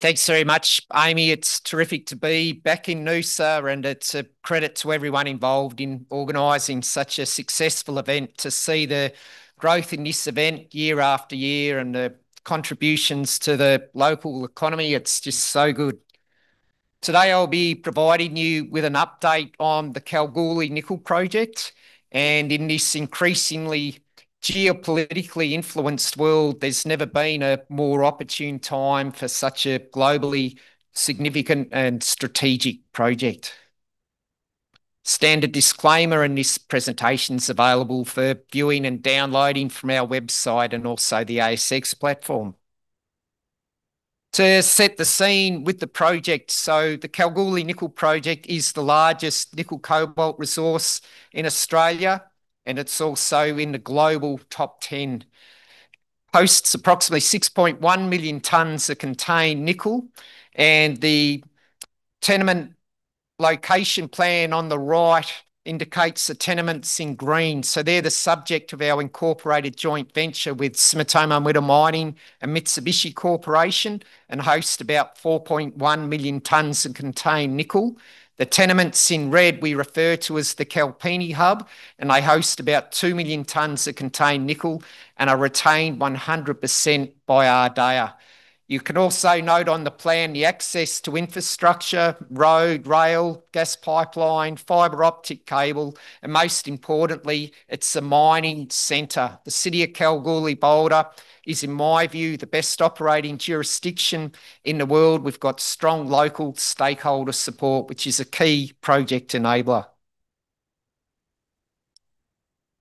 Thanks very much, Amy. It's terrific to be back in Noosa, and it's a credit to everyone involved in organizing such a successful event. To see the growth in this event year after year and the contributions to the local economy, it's just so good. Today I'll be providing you with an update on the Kalgoorlie Nickel Project. In this increasingly geopolitically influenced world, there's never been a more opportune time for such a globally significant and strategic project. Standard disclaimer. This presentation is available for viewing and downloading from our website and also the ASX platform. To set the scene with the project. The Kalgoorlie Nickel Project is the largest nickel-cobalt resource in Australia, and it's also in the global top 10. Hosts approximately 6.1 million tonnes that contain nickel. The tenement location plan on the right indicates the tenements in green. They're the subject of our incorporated joint venture with Sumitomo Metal Mining and Mitsubishi Corporation and host about 4.1 million tonnes that contain nickel. The tenements in red we refer to as the Kalpini Hub, and they host about 2 million tonnes that contain nickel and are retained 100% by Ardea. You can also note on the plan the access to infrastructure, road, rail, gas pipeline, fiber optic cable, and most importantly, it's a mining center. The city of Kalgoorlie-Boulder is, in my view, the best operating jurisdiction in the world. We've got strong local stakeholder support, which is a key project enabler.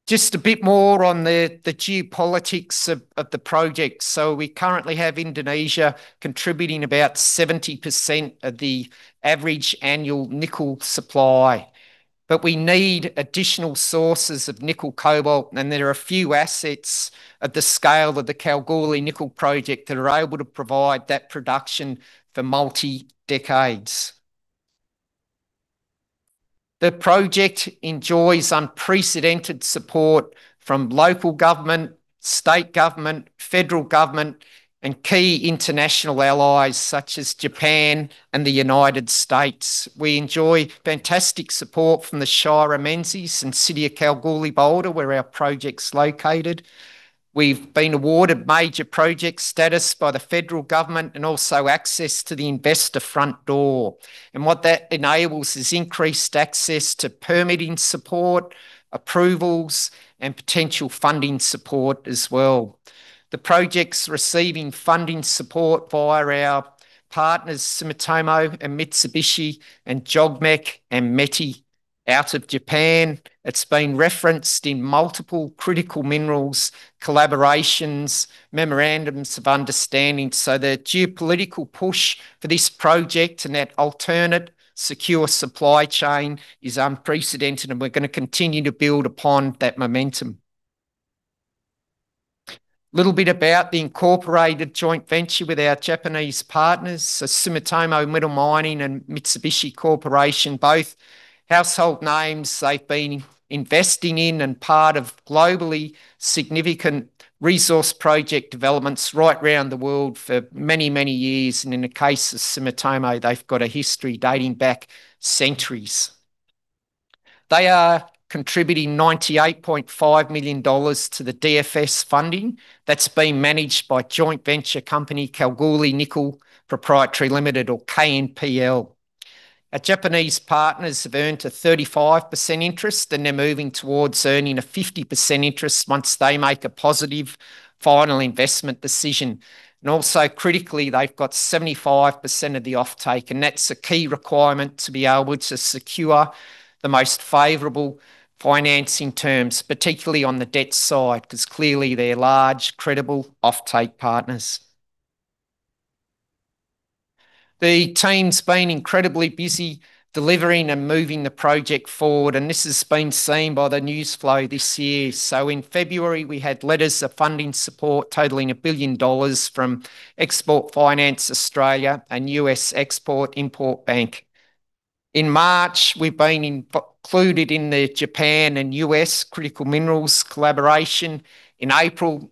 Just a bit more on the geopolitics of the project. We currently have Indonesia contributing about 70% of the average annual nickel supply. We need additional sources of nickel cobalt, and there are a few assets at the scale of the Kalgoorlie Nickel Project that are able to provide that production for multi-decades. The project enjoys unprecedented support from local government, state government, federal government, and key international allies such as Japan and the United States. We enjoy fantastic support from the Shire of Menzies and City of Kalgoorlie-Boulder, where our project's located. We've been awarded Major Project Status by the federal government and also access to the Investor Front Door. What that enables is increased access to permitting support, approvals, and potential funding support as well. The project's receiving funding support via our partners, Sumitomo and Mitsubishi and JOGMEC and METI out of Japan. It's been referenced in multiple critical minerals collaborations, memorandums of understanding. The geopolitical push for this project and that alternate secure supply chain is unprecedented, and we're going to continue to build upon that momentum. A little bit about the incorporated joint venture with our Japanese partners, so Sumitomo Metal Mining and Mitsubishi Corporation, both household names. They've been investing in and part of globally significant resource project developments right round the world for many, many years. In the case of Sumitomo, they've got a history dating back centuries. They are contributing 98.5 million dollars to the DFS funding that's being managed by joint venture company Kalgoorlie Nickel Proprietary Limited or KNPL. Our Japanese partners have earned a 35% interest, and they're moving towards earning a 50% interest once they make a positive final investment decision. Also critically, they've got 75% of the offtake, and that's a key requirement to be able to secure the most favorable financing terms, particularly on the debt side, because clearly they're large, credible offtake partners. The team's been incredibly busy delivering and moving the project forward, and this has been seen by the news flow this year. In February, we had letters of funding support totaling 1 billion dollars from Export Finance Australia and U.S. Export-Import Bank. In March, we've been included in the Japan and U.S. Critical Minerals Collaboration. In April,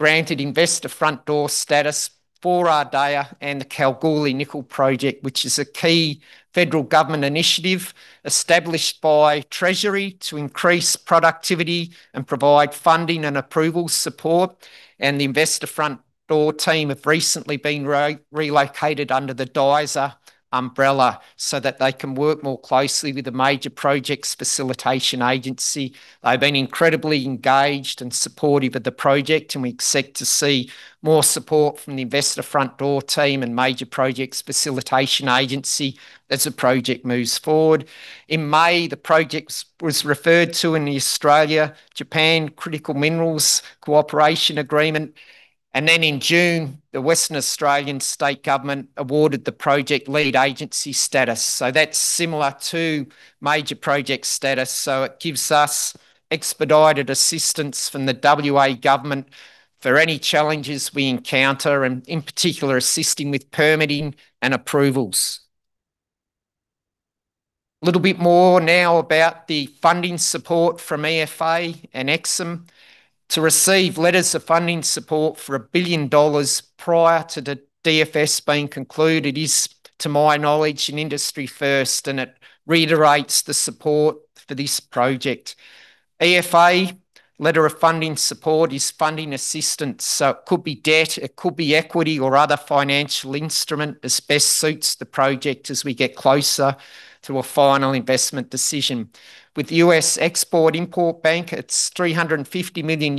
granted Investor Front Door status for Ardea and the Kalgoorlie Nickel Project, which is a key federal government initiative established by Treasury to increase productivity and provide funding and approval support. The Investor Front Door team have recently been relocated under the DISR umbrella so that they can work more closely with the Major Projects Facilitation Agency. They've been incredibly engaged and supportive of the project, and we expect to see more support from the Investor Front Door team and Major Projects Facilitation Agency as the project moves forward. In May, the project was referred to in the Australia-Japan Critical Minerals Cooperation agreement. In June, the Western Australian State Government awarded the project Lead Agency Status. That's similar to Major Project Status, so it gives us expedited assistance from the WA Government for any challenges we encounter and, in particular, assisting with permitting and approvals. A little bit more now about the funding support from EFA and EXIM. To receive letters of funding support for 1 billion dollars prior to the DFS being concluded is, to my knowledge, an industry first, and it reiterates the support for this project. EFA letter of funding support is funding assistance. So it could be debt, it could be equity or other financial instrument as best suits the project as we get closer to a final investment decision. With U.S. Export-Import Bank, it's $350 million,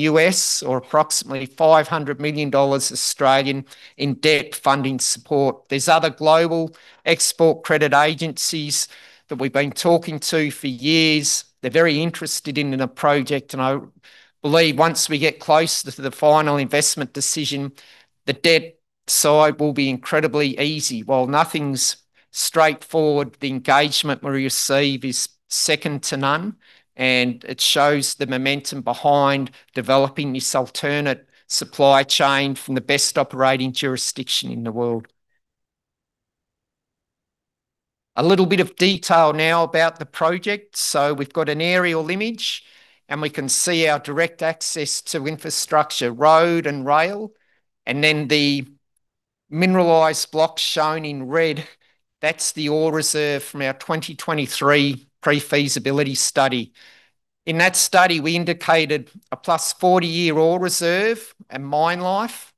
or approximately 500 million Australian dollars, in debt funding support. There's other global export credit agencies that we've been talking to for years. They're very interested in the project, and I believe once we get closer to the final investment decision, the debt side will be incredibly easy. While nothing's straightforward, the engagement we receive is second to none, and it shows the momentum behind developing this alternate supply chain from the best operating jurisdiction in the world. A little bit of detail now about the project. We've got an aerial image, and we can see our direct access to infrastructure, road and rail. Then the mineralized block shown in red, that's the ore reserve from our 2023 Pre-Feasibility Study. In that study, we indicated a +40-year ore reserve and mine life,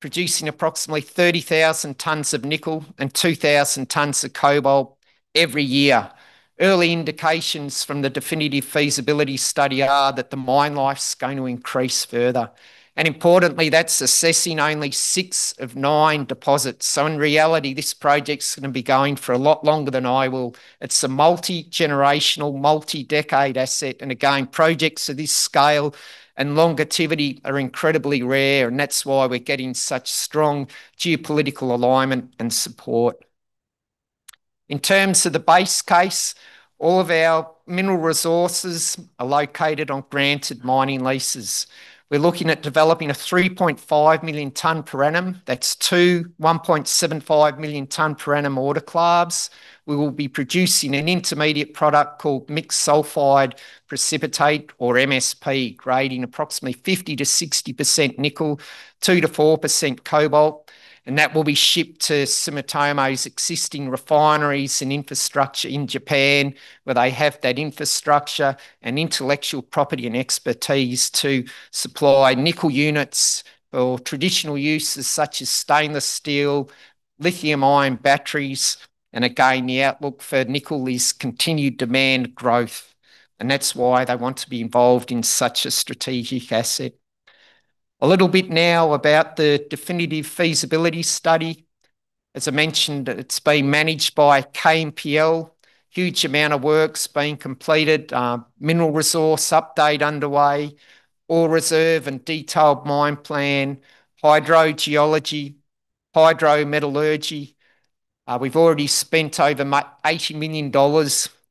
producing approximately 30,000 tonnes of nickel and 2,000 tonnes of cobalt every year. Early indications from the Definitive Feasibility Study are that the mine life's going to increase further. And importantly, that's assessing only six of nine deposits. So in reality, this project's going to be going for a lot longer than I will. It's a multi-generational, multi-decade asset. Projects of this scale and longevity are incredibly rare, and that's why we're getting such strong geopolitical alignment and support. In terms of the base case, all of our mineral resources are located on granted mining leases. We're looking at developing a 3.5 million tonne per annum. That's two 1.75 million tonne per annum autoclaves. We will be producing an intermediate product called Mixed Hydroxide Precipitate, or MHP, grading approximately 50%-60% nickel, 2%-4% cobalt. That will be shipped to Sumitomo's existing refineries and infrastructure in Japan, where they have that infrastructure and intellectual property and expertise to supply nickel units for traditional uses such as stainless steel, lithium-ion batteries. The outlook for nickel is continued demand growth. That's why they want to be involved in such a strategic asset. A little bit now about the Definitive Feasibility Study. As I mentioned, it's being managed by KNPL. Huge amount of work's been completed. Mineral resource update underway, ore reserve and detailed mine plan, hydrogeology, hydrometallurgy. We've already spent over AUD 80 million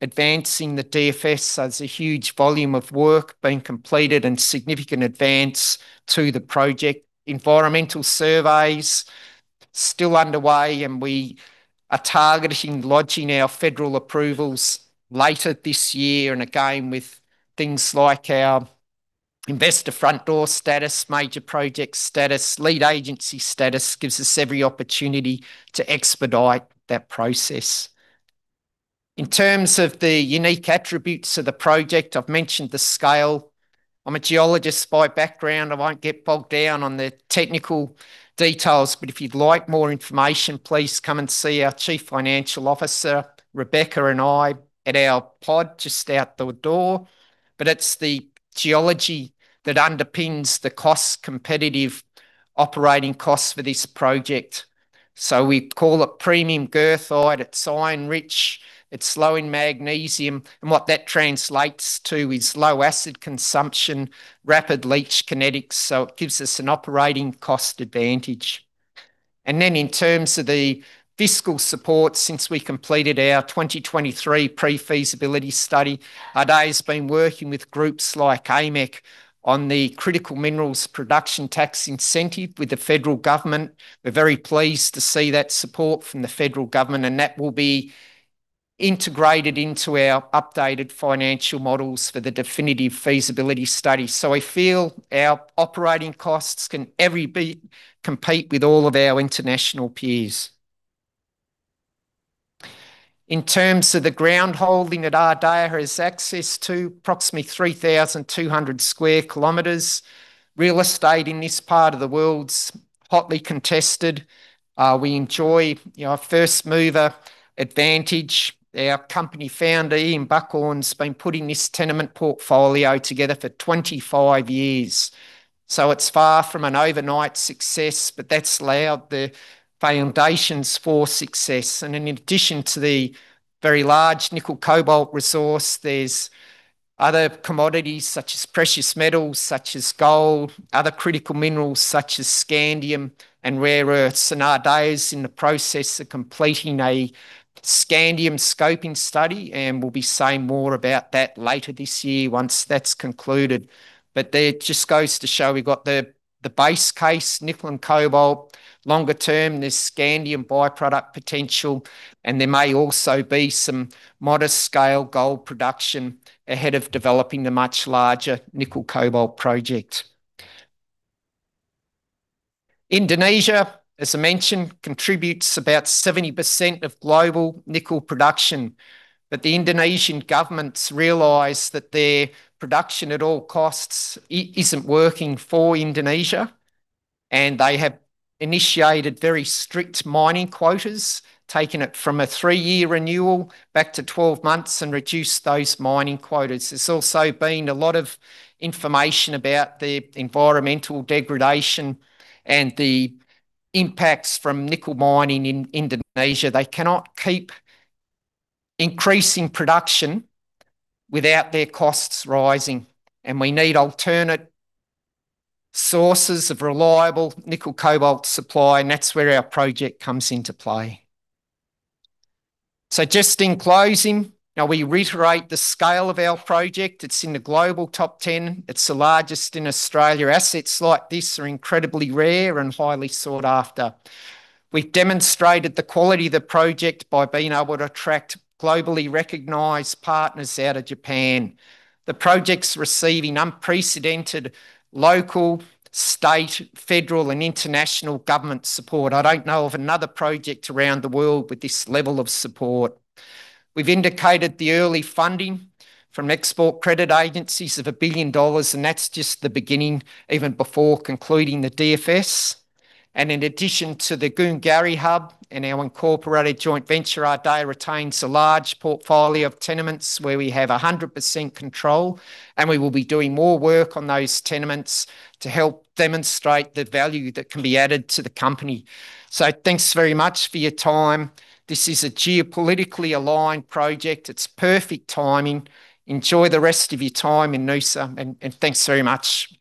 advancing the DFS. There's a huge volume of work been completed and significant advance to the project. Environmental surveys still underway, and we are targeting lodging our federal approvals later this year. With things like our Investor Front Door Status, Major Project Status, Lead Agency Status, gives us every opportunity to expedite that process. In terms of the unique attributes of the project, I've mentioned the scale. I'm a geologist by background. I won't get bogged down on the technical details. If you'd like more information, please come and see our Chief Financial Officer, Rebecca, and I at our pod just out the door. It's the geology that underpins the cost competitive operating costs for this project. We call it premium goethite. It's iron rich, it's low in magnesium, and what that translates to is low acid consumption, rapid leach kinetics. It gives us an operating cost advantage. In terms of the fiscal support since we completed our 2023 Pre-Feasibility Study, Ardea's been working with groups like AMEC on the Critical Minerals Production Tax Incentive with the federal government. We're very pleased to see that support from the federal government, and that will be integrated into our updated financial models for the Definitive Feasibility Study. I feel our operating costs can easily compete with all of our international peers. In terms of the ground holding that Ardea has access to approximately 3,200 sq km. Real estate in this part of the world's hotly contested. We enjoy our first-mover advantage. Our Company Founder, Ian Buchhorn's been putting this tenement portfolio together for 25 years. It's far from an overnight success, but that's allowed the foundations for success. In addition to the very large nickel cobalt resource, there's other commodities such as precious metals such as gold, other critical minerals such as scandium and rare earths. Ardea is in the process of completing a scandium scoping study, and we'll be saying more about that later this year once that's concluded. That just goes to show we've got the base case, nickel and cobalt. Longer term, there's scandium by-product potential, and there may also be some modest scale gold production ahead of developing the much larger nickel-cobalt project. Indonesia, as I mentioned, contributes about 70% of global nickel production. The Indonesian government's realized that their production at all costs isn't working for Indonesia, and they have initiated very strict mining quotas, taking it from a three-year renewal back to 12 months and reduced those mining quotas. There's also been a lot of information about the environmental degradation and the impacts from nickel mining in Indonesia. They cannot keep increasing production without their costs rising, and we need alternate sources of reliable nickel-cobalt supply, and that's where our project comes into play. Just in closing, now we reiterate the scale of our project. It's in the global top 10. It's the largest in Australia. Assets like this are incredibly rare and highly sought after. We've demonstrated the quality of the project by being able to attract globally recognized partners out of Japan. The project's receiving unprecedented local, state, federal, and international government support. I don't know of another project around the world with this level of support. We've indicated the early funding from export credit agencies of 1 billion dollars, and that's just the beginning, even before concluding the DFS. In addition to the Goongarrie Hub and our incorporated joint venture, Ardea retains a large portfolio of tenements where we have 100% control, and we will be doing more work on those tenements to help demonstrate the value that can be added to the company. Thanks very much for your time. This is a geopolitically aligned project. It's perfect timing. Enjoy the rest of your time in Noosa, Thanks very much.